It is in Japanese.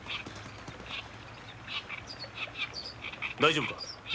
大丈夫か？